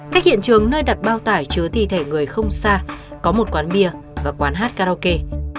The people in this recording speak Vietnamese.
cách hiện trường nơi đặt bao tải chứa thi thể người không xa có một quán bia và quán hát karaoke